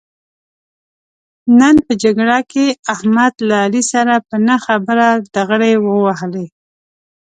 نن په جرګه کې احمد له علي سره په نه خبره ډغرې و وهلې.